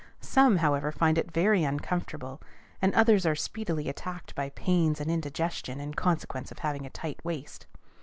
Some, however, find it very uncomfortable, and others are speedily attacked by pains and indigestion in consequence of having a tight waist.